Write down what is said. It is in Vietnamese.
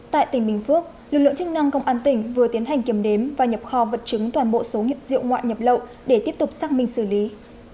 tại tỉnh bình phước lực lượng chức năng công an tỉnh vừa tiến hành kiểm đếm và nhập kho vật chứng toàn bộ số nhịp rượu ngoại nhập lậu để tiếp tục xác minh xử lý